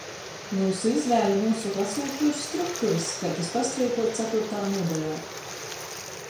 Myusu izvēli nūsoka asūšuos strukturys, kai tys pastreipuots catūrtā nūdaļā.